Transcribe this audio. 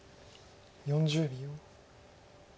４０秒。